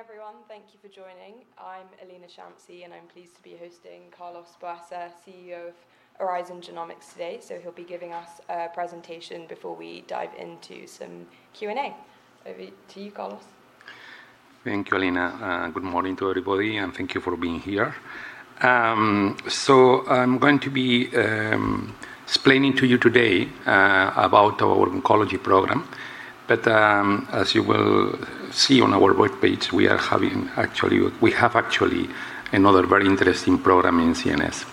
Good morning, everyone. Thank you for joining. I'm Elena Shamsi, and I'm pleased to be hosting Carlos Buesa, CEO of Oryzon Genomics, today. He'll be giving us a presentation before we dive into some Q&A. Over to you, Carlos. Thank you, Elena. Good morning to everybody, and thank you for being here. I'm going to be explaining to you today about our oncology program. As you will see on our webpage, we have actually another very interesting program in CNS.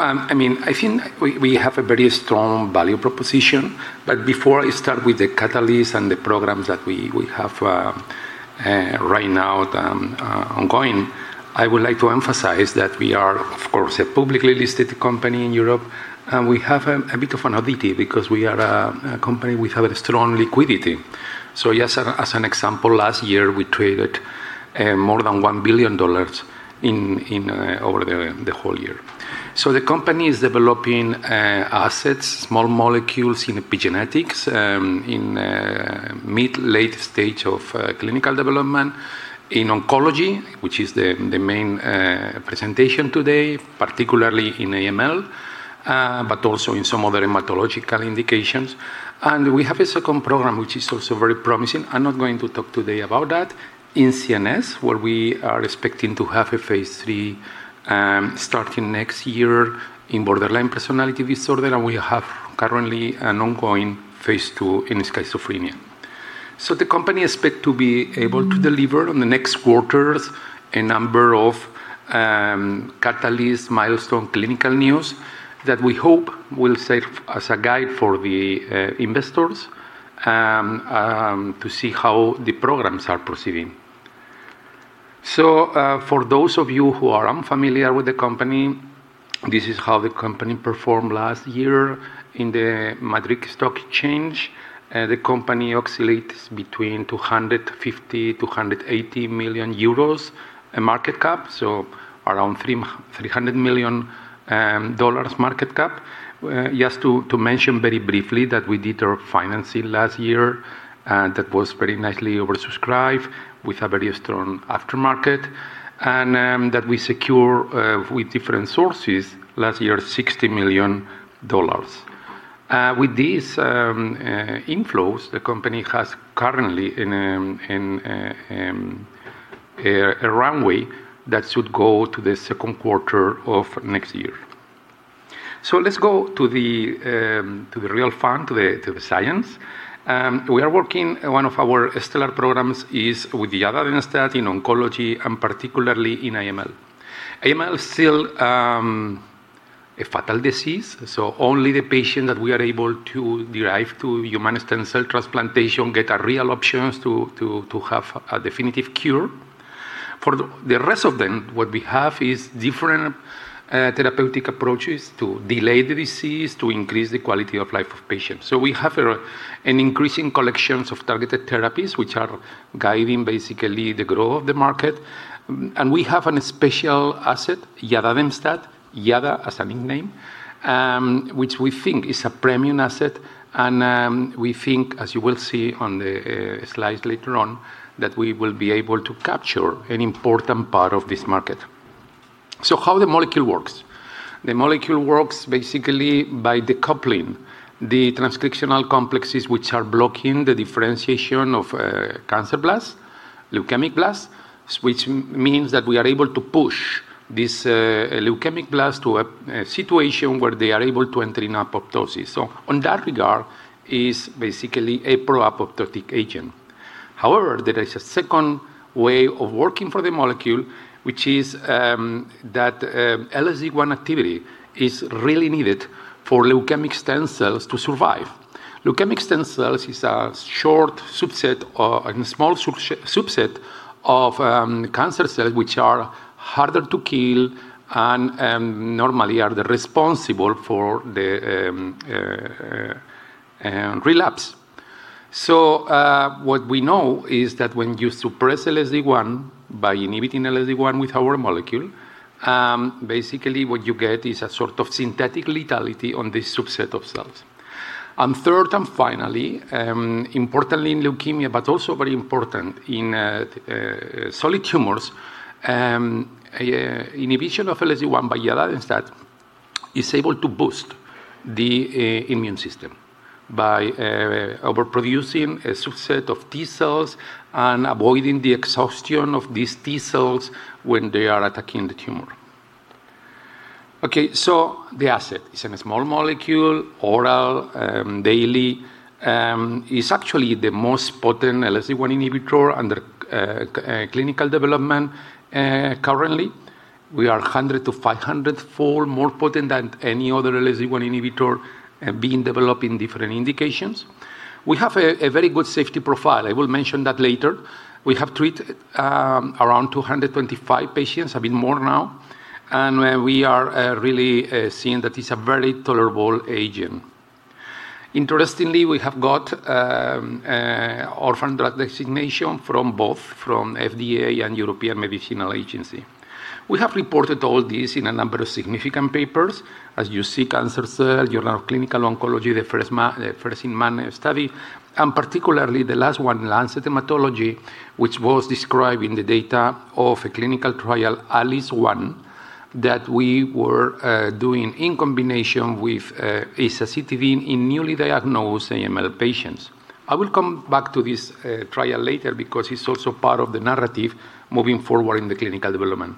I think we have a very strong value proposition. Before I start with the catalyst and the programs that we have right now ongoing, I would like to emphasize that we are, of course, a publicly listed company in Europe, and we have a bit of an oddity because we are a company with a strong liquidity. Just as an example, last year we traded more than $1 billion over the whole year. The company is developing assets, small molecules in epigenetics, in mid, late stage of clinical development in oncology, which is the main presentation today, particularly in AML, but also in some other hematological indications. We have a second program, which is also very promising, I'm not going to talk today about that, in CNS, where we are expecting to have a phase III starting next year in borderline personality disorder, and we have currently an ongoing phase II in schizophrenia. The company expects to be able to deliver on the next quarters a number of catalyst milestone clinical news that we hope will serve as a guide for the investors to see how the programs are proceeding. For those of you who are unfamiliar with the company, this is how the company performed last year in the Madrid Stock Exchange. The company oscillates between 250 million-280 million euros market cap, around $300 million market cap. Just to mention very briefly that we did our financing last year. That was very nicely oversubscribed with a very strong aftermarket. That we secured with different sources last year, $60 million. With these inflows, the company has currently a runway that should go to the second quarter of next year. Let's go to the real fun, to the science. We are working, one of our stellar programs is with iadademstat in oncology, particularly in AML. AML is still a fatal disease. Only the patient that we are able to derive to human stem cell transplantation get a real option to have a definitive cure. For the rest of them, what we have is different therapeutic approaches to delay the disease, to increase the quality of life of patients. We have an increasing collections of targeted therapies, which are guiding basically the growth of the market, and we have a special asset, iadademstat, iada as a nickname, which we think is a premium asset, and we think, as you will see on the slides later on, that we will be able to capture an important part of this market. How the molecule works. The molecule works basically by decoupling the transcriptional complexes which are blocking the differentiation of cancer blast, leukemic blast, which means that we are able to push this leukemic blast to a situation where they are able to enter in apoptosis. On that regard is basically a pro-apoptotic agent. There is a second way of working for the molecule, which is that LSD1 activity is really needed for leukemic stem cells to survive. Leukemic stem cells is a small subset of cancer cells which are harder to kill and normally are responsible for the relapse. What we know is that when you suppress LSD1 by inhibiting LSD1 with our molecule, basically what you get is a sort of synthetic lethality on this subset of cells. Third and finally, importantly in leukemia, but also very important in solid tumors, inhibition of LSD1 by iadademstat is able to boost the immune system by overproducing a subset of T cells and avoiding the exhaustion of these T cells when they are attacking the tumor. The asset is a small molecule, oral, daily. It's actually the most potent LSD1 inhibitor under clinical development currently. We are 100 to 500-fold more potent than any other LSD1 inhibitor being developed in different indications. We have a very good safety profile. I will mention that later. We have treated around 225 patients, a bit more now. We are really seeing that it's a very tolerable agent. Interestingly, we have got orphan drug designation from both FDA and European Medicines Agency. We have reported all this in a number of significant papers, as you see, "Cancer Cell," "Journal of Clinical Oncology," the first-in-man study, and particularly the last one, "The Lancet Haematology," which was describing the data of a clinical trial, ALICE, that we were doing in combination with azacitidine in newly diagnosed AML patients. I will come back to this trial later because it's also part of the narrative moving forward in the clinical development.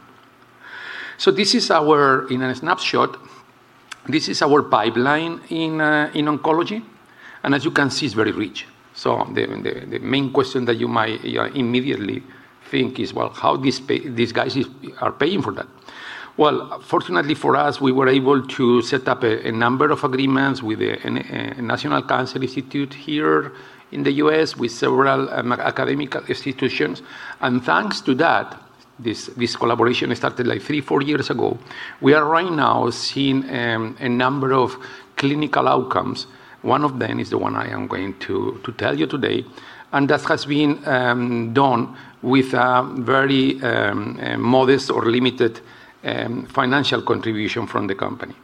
In a snapshot, this is our pipeline in oncology, and as you can see, it's very rich. The main question that you might immediately think is, "Well, how these guys are paying for that?" Well, fortunately for us, we were able to set up a number of agreements with the National Cancer Institute here in the U.S. with several academic institutions. Thanks to that, this collaboration started three, four years ago. We are right now seeing a number of clinical outcomes. One of them is the one I am going to tell you today, and that has been done with a very modest or limited financial contribution from the company.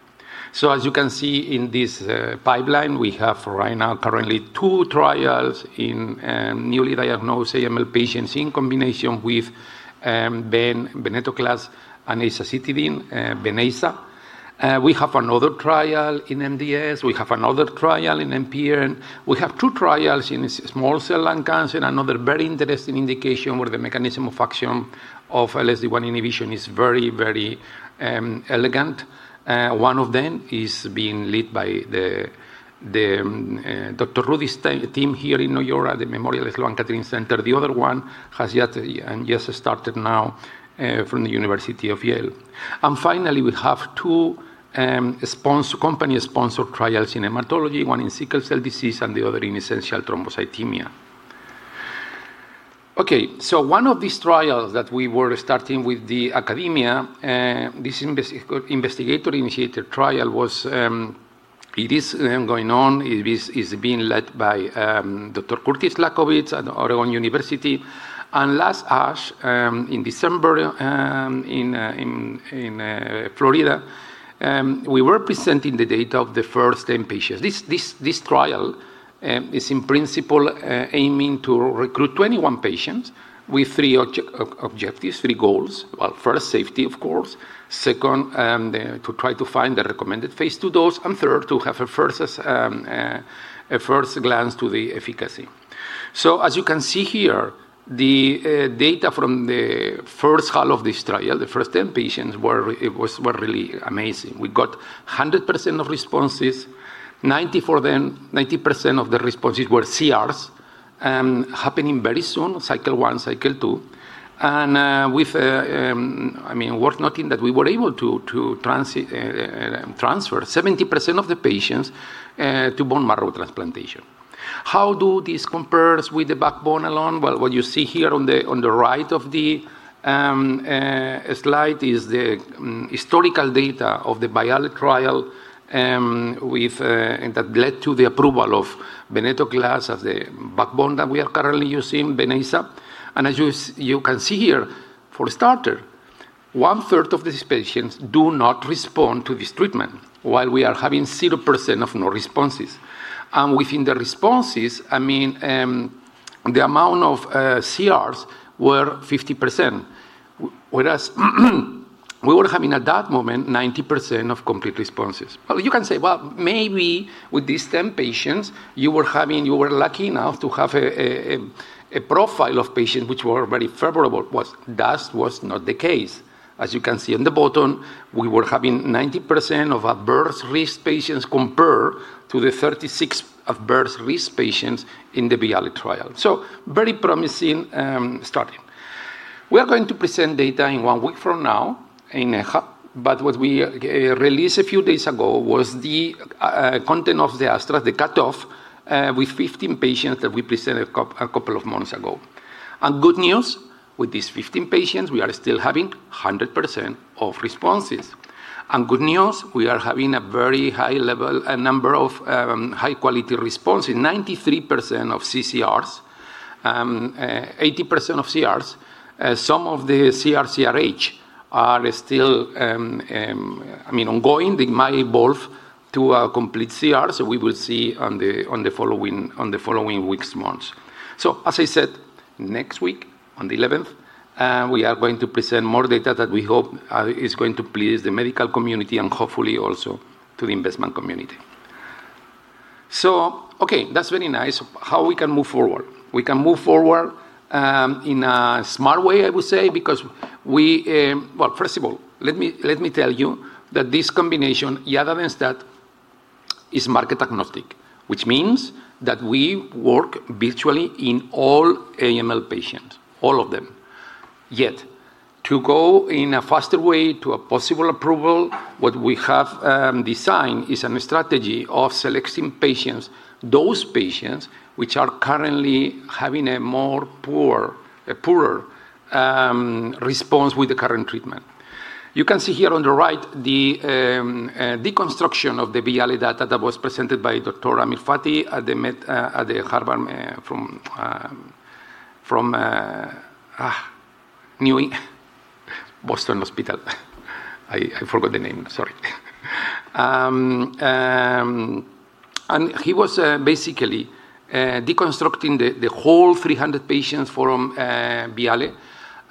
As you can see in this pipeline, we have right now currently two trials in newly diagnosed AML patients in combination with venetoclax and azacitidine, VEN/AZA. We have another trial in MDS, we have another trial in MPN. We have two trials in small cell lung cancer, another very interesting indication where the mechanism of action of LSD1 inhibition is very elegant. One of them is being led by Dr. Rudin's team here in New York at the Memorial Sloan Kettering Cancer Center. The other one has just started now from Yale University. Finally, we have two company-sponsored trials in hematology, one in sickle cell disease and the other in essential thrombocythemia. One of these trials that we were starting with the academia, this investigator-initiated trial, it is going on. It is being led by Dr. Curtis Lachowiez at Oregon Health & Science University. Last ASH, in December, in Florida, we were presenting the data of the first 10 patients. This trial is in principle aiming to recruit 21 patients with three objectives, three goals. Well, first, safety, of course. Second, to try to find the recommended phase II dose, and third, to have a first glance to the efficacy. As you can see here, the data from the first half of this trial, the first 10 patients, were really amazing. We got 100% of responses, 90% of the responses were CRs, happening very soon, cycle 1, cycle 2. Worth noting that we were able to transfer 70% of the patients to bone marrow transplantation. How do these compare with the backbone alone? Well, what you see here on the right of the slide is the historical data of the VIALE trial that led to the approval of venetoclax as the backbone that we are currently using, VEN/AZA. As you can see here, for starter, one-third of these patients do not respond to this treatment, while we are having 0% of no responses. Within the responses, the amount of CRs were 50%, whereas we were having, at that moment, 90% of complete responses. Well, you can say, "Well, maybe with these 10 patients, you were lucky enough to have a profile of patients which were very favorable." That was not the case. As you can see in the bottom, we were having 90% of adverse risk patients compared to the 36 adverse risk patients in the VIALE trial. Very promising starting. We are going to present data in one week from now in ASH, but what we released a few days ago was the content of the cutoff with 15 patients that we presented a couple of months ago. Good news, with these 15 patients, we are still having 100% of responses. Good news, we are having a very high level, a number of high-quality response in 93% of CCRs, 80% of CRs. Some of the CR/CRh are still ongoing. They might evolve to a complete CR. We will see on the following weeks, months. As I said, next week, on the 11th, we are going to present more data that we hope is going to please the medical community and hopefully also to the investment community. Okay, that's very nice. How we can move forward? We can move forward in a smart way, I would say, because first of all, let me tell you that this combination, iadademstat, is market agnostic, which means that we work virtually in all AML patients, all of them. To go in a faster way to a possible approval, what we have designed is a strategy of selecting patients, those patients which are currently having a poorer response with the current treatment. You can see here on the right, the deconstruction of the VIALE data that was presented by Dr. Amir Fathi at Massachusetts General Hospital. I forgot the name, sorry. He was basically deconstructing the whole 300 patients from VIALE,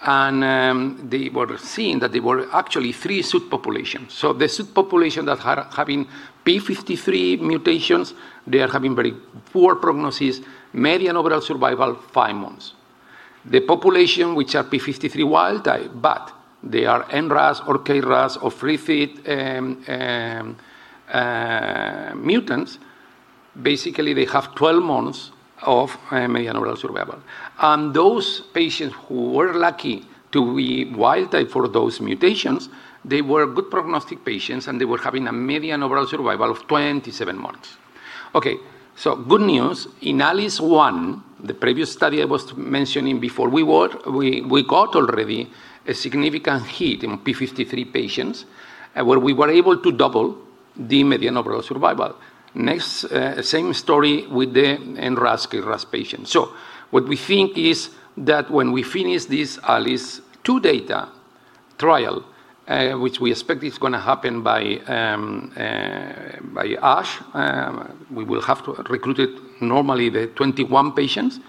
and they were seeing that there were actually three subpopulations. The subpopulation that have TP53 mutations, they are having very poor prognosis, median overall survival, five months. The population which are TP53 wild type, but they are NRAS or KRAS or FLT3 mutants. Basically, they have 12 months of median overall survival. Those patients who were lucky to be wild type for those mutations, they were good prognostic patients, and they were having a median overall survival of 27 months. Okay. Good news, in ALICE, the previous study I was mentioning before, we got already a significant hit in TP53 patients, and we were able to double the median overall survival. Next, same story with the NRAS/KRAS patient. What we think is that when we finish this ALICE-2 data trial, which we expect is going to happen by ASH, we will have to recruit it normally the 21 patients.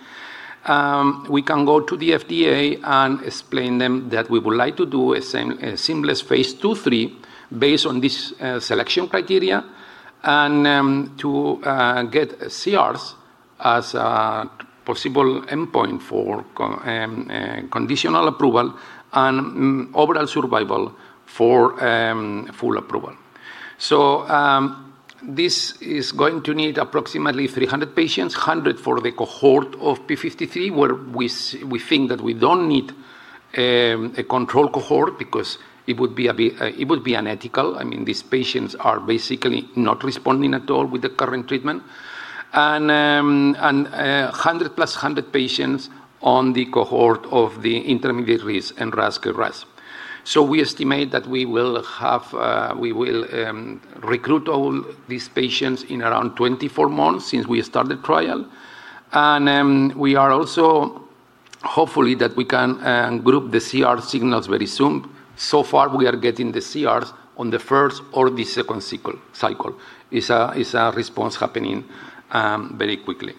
We can go to the FDA and explain them that we would like to do a seamless Phase II/III based on this selection criteria and to get CRs as a possible endpoint for conditional approval and overall survival for full approval. This is going to need approximately 300 patients, 100 for the cohort of TP53, where we think that we don't need a control cohort because it would be unethical. These patients are basically not responding at all with the current treatment. 100 + 100 patients on the cohort of the intermediate risk NRAS/KRAS. We estimate that we will recruit all these patients in around 24 months since we started trial. We are also hopefully that we can group the CR signals very soon. So far, we are getting the CRs on the first or the second cycle. Is a response happening very quickly?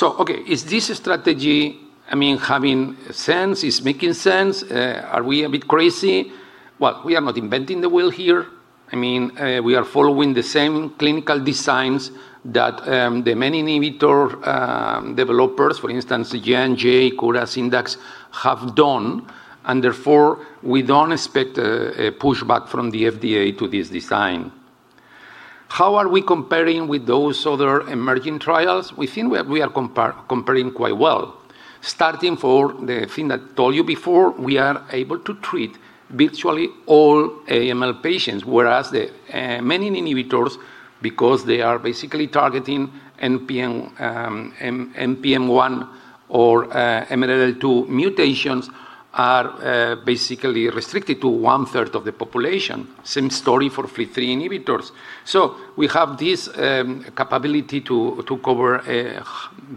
Okay, is this strategy having sense? Is making sense? Are we a bit crazy? Well, we are not inventing the wheel here. We are following the same clinical designs that the menin inhibitor developers, for instance, Janssen, Kura Oncology, Syndax Pharmaceuticals, have done, and therefore, we don't expect a pushback from the FDA to this design. How are we comparing with those other emerging trials? We think we are comparing quite well. Starting for the thing that told you before, we are able to treat virtually all AML patients, whereas the menin inhibitors, because they are basically targeting NPM1 or KMT2A mutations are basically restricted to one-third of the population. Same story for FLT3 inhibitors. We have this capability to cover a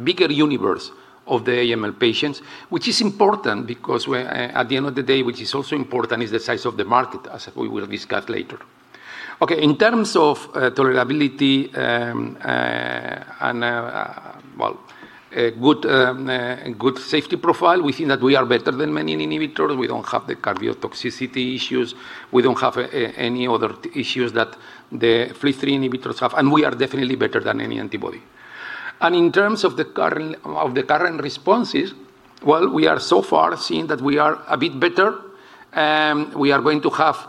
bigger universe of the AML patients, which is important because at the end of the day, which is also important, is the size of the market, as we will discuss later. Okay, in terms of tolerability, and good safety profile, we think that we are better than menin inhibitors. We don't have the cardiotoxicity issues. We don't have any other issues that the FLT3 inhibitors have, and we are definitely better than any antibody. In terms of the current responses, well, we are so far seeing that we are a bit better. We are going to have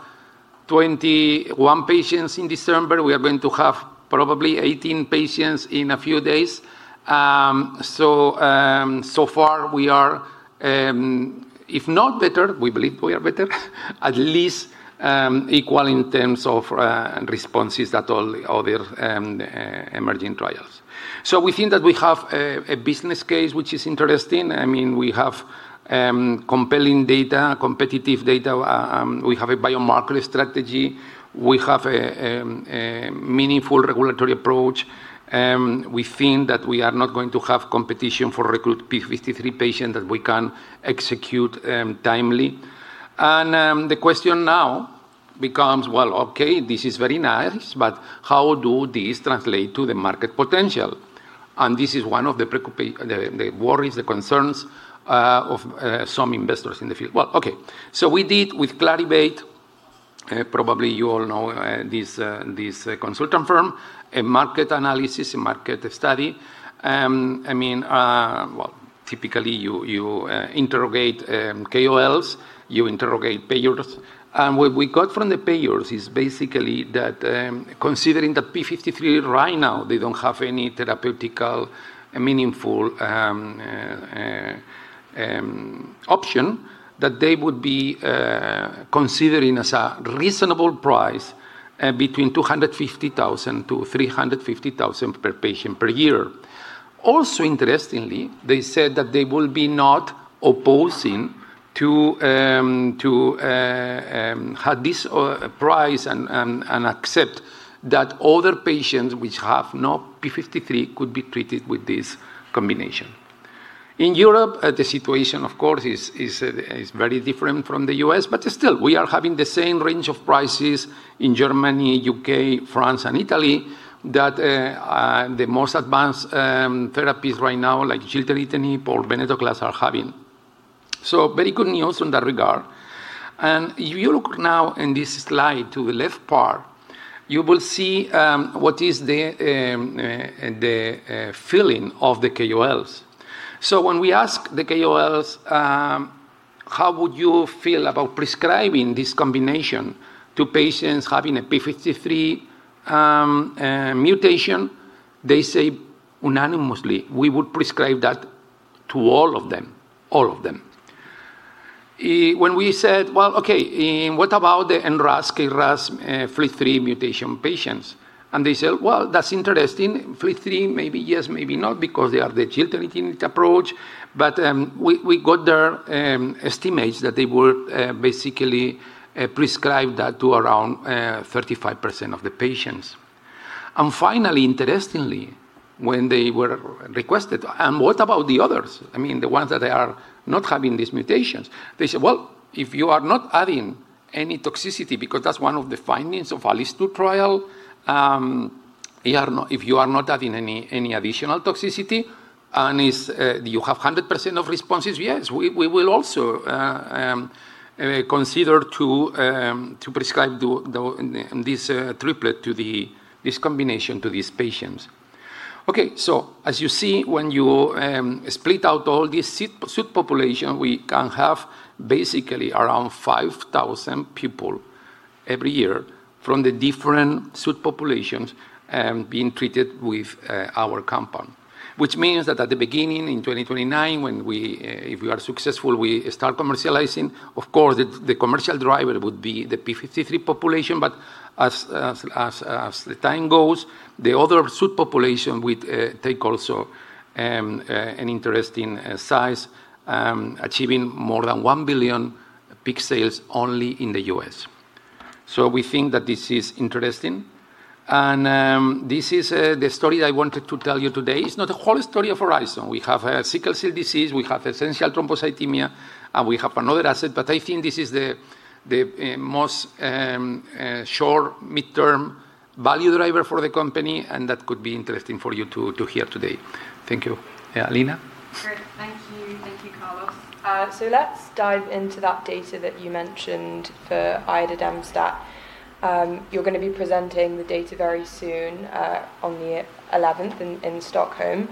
21 patients in December. We are going to have probably 18 patients in a few days. So far we are if not better, we believe we are better, at least equal in terms of responses that all other emerging trials. We think that we have a business case which is interesting. We have compelling data, competitive data. We have a biomarker strategy. We have a meaningful regulatory approach. We think that we are not going to have competition for recruit TP53 patient that we can execute timely. The question now becomes, well, okay, this is very nice, but how do these translate to the market potential? This is one of the worries, the concerns of some investors in the field. Well, okay. We did with Clarivate, probably you all know this consultant firm, a market analysis, a market study. Typically, you interrogate KOLs, you interrogate payers. What we got from the payers is basically that considering that TP53 right now, they don't have any therapeutic meaningful option that they would be considering as a reasonable price. Between 250,000-350,000 per patient per year. Also interestingly, they said that they will be not opposing to have this price and accept that other patients which have no TP53 could be treated with this combination. In Europe, the situation, of course, is very different from the U.S., but still, we are having the same range of prices in Germany, U.K., France, and Italy that the most advanced therapies right now, like gilteritinib or venetoclax are having. Very good news in that regard. If you look now in this slide to the left part, you will see what is the feeling of the KOLs. When we ask the KOLs, "How would you feel about prescribing this combination to patients having a TP53 mutation?" They say unanimously, "We would prescribe that to all of them." When we said, "Well, okay, what about the NRAS, KRAS, FLT3 mutation patients?" They said, "Well, that's interesting. FLT3, maybe yes, maybe not," because they are the gilteritinib approach. We got their estimates that they would basically prescribe that to around 35% of the patients. Finally, interestingly, when they were requested, "What about the others? The ones that are not having these mutations." They said, "Well, if you are not adding any toxicity," because that's one of the findings of ALICE trial, "If you are not adding any additional toxicity and you have 100% of responses, yes, we will also consider to prescribe this triplet, this combination to these patients." As you see, when you split out all these subpopulation, we can have basically around 5,000 people every year from the different sub-populations being treated with our compound. At the beginning, in 2029, if we are successful, we start commercializing. Of course, the commercial driver would be the P53 population, but as the time goes, the other subpopulation would take also an interesting size, achieving more than $1 billion peak sales only in the U.S. We think that this is interesting, and this is the story I wanted to tell you today. It's not the whole story of Oryzon. We have a sickle cell disease, we have essential thrombocythemia, and we have another asset, but I think this is the most short-midterm value driver for the company, and that could be interesting for you to hear today. Thank you. Yeah, Elena? Great. Thank you. Thank you, Carlos. Let's dive into that data that you mentioned for iadademstat. You're going to be presenting the data very soon, on the 11th in Stockholm.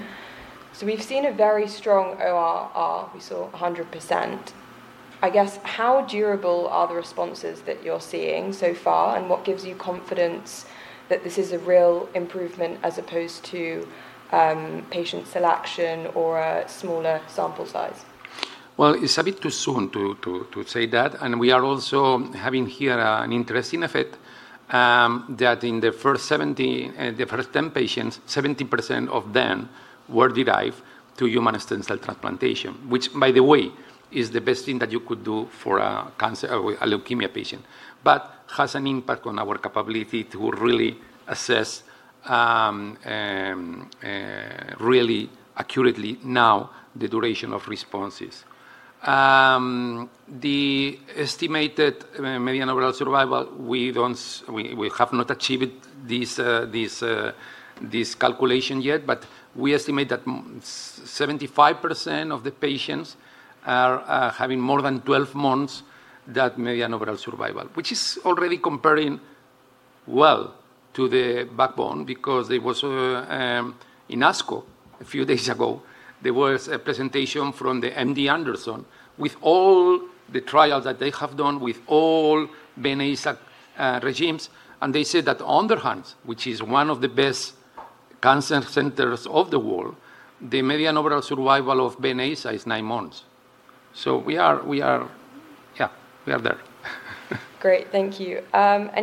We've seen a very strong ORR. We saw 100%. I guess, how durable are the responses that you're seeing so far, and what gives you confidence that this is a real improvement as opposed to patient selection or a smaller sample size? Well, it's a bit too soon to say that, and we are also having here an interesting effect, that in the first 10 patients, 70% of them were derived to human stem cell transplantation, which, by the way, is the best thing that you could do for a leukemia patient. It has an impact on our capability to really assess, really accurately now the duration of responses. The estimated median overall survival, we have not achieved this calculation yet, but we estimate that 75% of the patients are having more than 12 months, that median overall survival. Which is already comparing well to the backbone because in ASCO a few days ago, there was a presentation from the MD Anderson with all the trials that they have done with all VEN/AZA regimes. They said that on average, which is one of the best cancer centers of the world, the median overall survival of VEN/AZA is nine months. Yeah, we are there. Great. Thank you.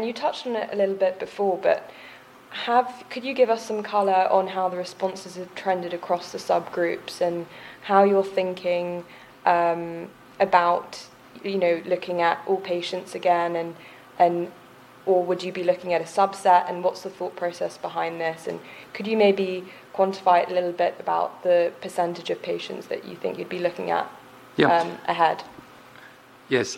You touched on it a little bit before, but could you give us some color on how the responses have trended across the subgroups and how you're thinking about looking at all patients again, or would you be looking at a subset, and what's the thought process behind this, and could you maybe quantify it a little bit about the percentage of patients that you think you'd be looking at ahead? Yes.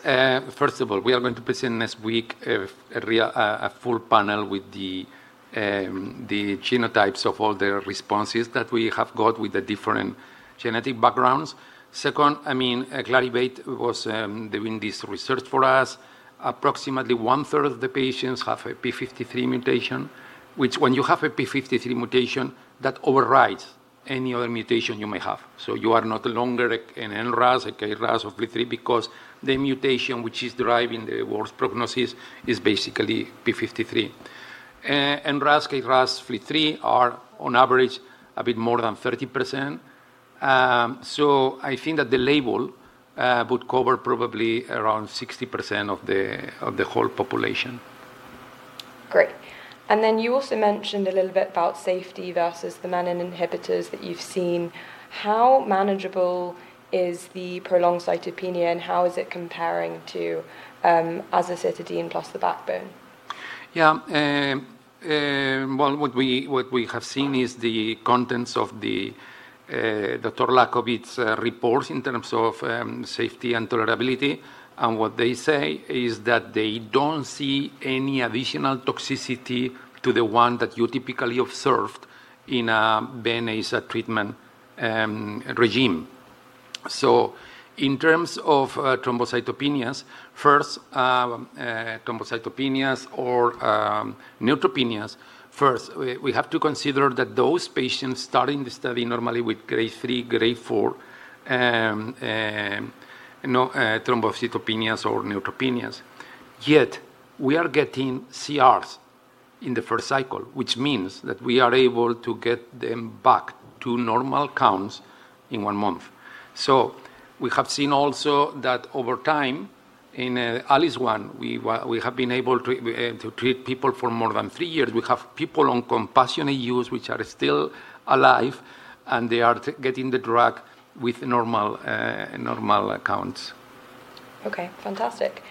First of all, we are going to present next week a full panel with the genotypes of all the responses that we have got with the different genetic backgrounds. Second, Clarivate was doing this research for us. Approximately 1/3 of the patients have a TP53 mutation, which when you have a TP53 mutation, that overrides any other mutation you may have. You are no longer an NRAS, a KRAS, or FLT3 because the mutation which is driving the worst prognosis is basically TP53. NRAS, KRAS, FLT3 are on average a bit more than 30%. I think that the label would cover probably around 60% of the whole population. Great. You also mentioned a little bit about safety versus the menin inhibitors that you've seen. How manageable is the prolonged cytopenia, and how is it comparing to azacitidine plus the backbone? What we have seen is the contents of Dr. Lachowiez's reports in terms of safety and tolerability. What they say is that they don't see any additional toxicity to the one that you typically observed in a VEN/AZA treatment regime. In terms of thrombocytopenias or neutropenias, first, we have to consider that those patients starting the study normally with grade 3, grade 4 thrombocytopenias or neutropenias. Yet, we are getting CRs in the first cycle, which means that we are able to get them back to normal counts in one month. We have seen also that over time in ALICE we have been able to treat people for more than three years. We have people on compassionate use which are still alive, and they are getting the drug with normal counts. Okay, fantastic.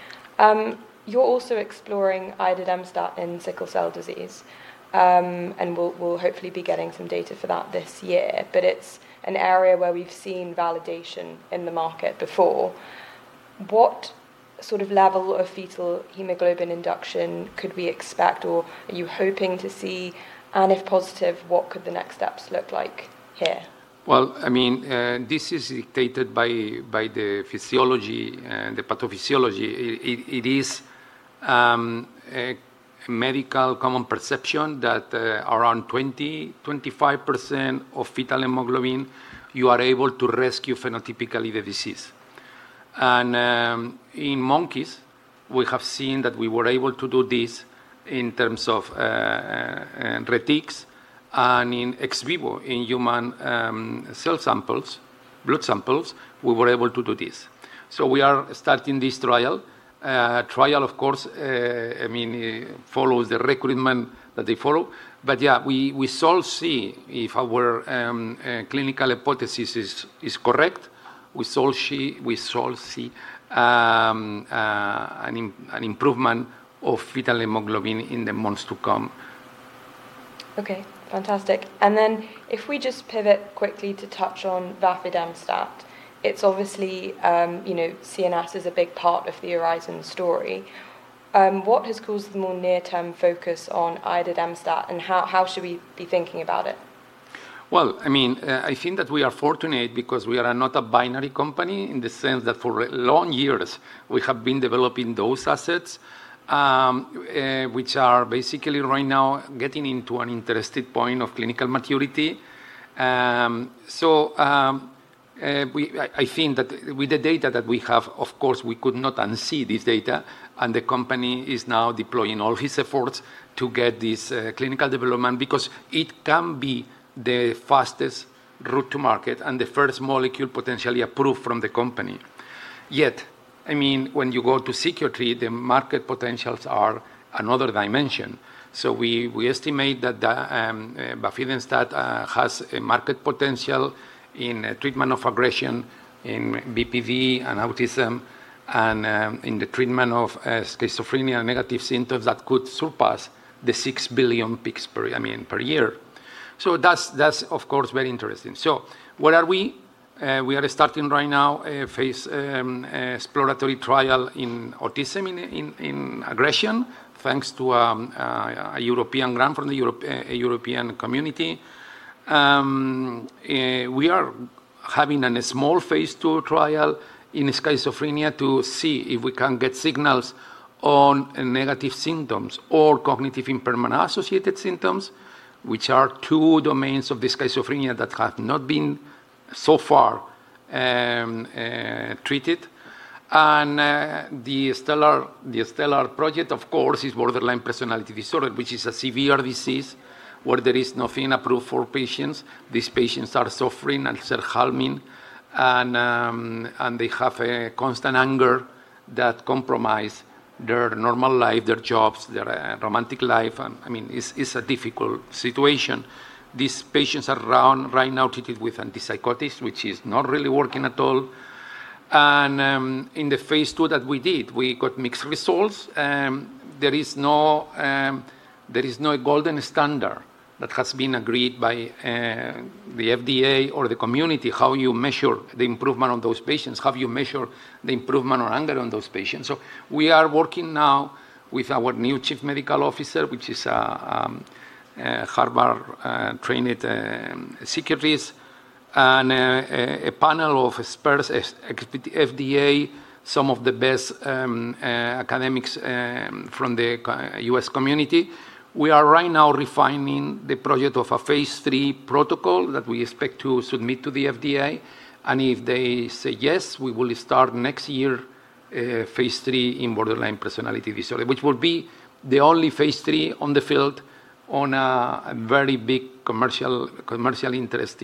You're also exploring iadademstat in sickle cell disease, and we'll hopefully be getting some data for that this year. It's an area where we've seen validation in the market before. What sort of level of fetal hemoglobin induction could we expect, or are you hoping to see? If positive, what could the next steps look like here? Well, this is dictated by the physiology and the pathophysiology. It is a medical common perception that around 20%-25% of fetal hemoglobin, you are able to rescue phenotypically the disease. In monkeys, we have seen that we were able to do this in terms of retics and in ex vivo, in human cell samples, blood samples, we were able to do this. We are starting this trial. Trial, of course, follows the requirement that they follow. Yeah, we shall see if our clinical hypothesis is correct. We shall see an improvement of fetal hemoglobin in the months to come. Okay, fantastic. If we just pivot quickly to touch on vafidemstat. It's obviously, CNS is a big part of the Oryzon story. What has caused the more near-term focus on iadademstat and how should we be thinking about it? I think that we are fortunate because we are not a binary company in the sense that for long years we have been developing those assets, which are basically right now getting into an interesting point of clinical maturity. I think that with the data that we have, of course, we could not unsee this data, and the company is now deploying all its efforts to get this clinical development because it can be the fastest route to market and the first molecule potentially approved from the company. Yet, when you go to CNS, the market potentials are another dimension. We estimate that vafidemstat has a market potential in treatment of aggression in BPD and autism and in the treatment of schizophrenia negative symptoms that could surpass 6 billion peak per year. That's, of course, very interesting. Where are we? We are starting right now a phase exploratory trial in autism in aggression, thanks to a European grant from the European community. We are having a small phase II trial in schizophrenia to see if we can get signals on negative symptoms or cognitive impairment-associated symptoms, which are two domains of the schizophrenia that have not been so far treated. The stellar project, of course, is borderline personality disorder, which is a severe disease where there is nothing approved for patients. These patients are suffering and self-harming, and they have a constant anger that compromise their normal life, their jobs, their romantic life. It's a difficult situation. These patients are right now treated with antipsychotics, which is not really working at all. In the phase II that we did, we got mixed results. There is no golden standard that has been agreed by the FDA or the community how you measure the improvement on those patients, how you measure the improvement on anger on those patients. We are working now with our new chief medical officer, which is a Harvard-trained psychiatrist and a panel of experts FDA, some of the best academics from the U.S. community. We are right now refining the project of a phase III protocol that we expect to submit to the FDA. If they say yes, we will start next year phase III in borderline personality disorder, which will be the only phase III on the field on a very big commercial interest.